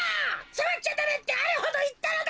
さわっちゃダメってあれほどいったのだ！